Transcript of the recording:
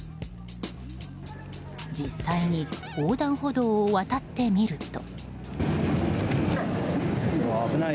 実際に横断歩道を渡ってみると。